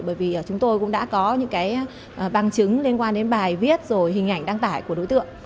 bởi vì chúng tôi cũng đã có những cái bằng chứng liên quan đến bài viết rồi hình ảnh đăng tải của đối tượng